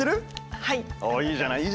はい。